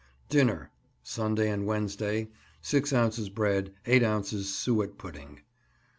Dinner Sunday and Wednesday 6 ounces bread, 8 ounces suet pudding.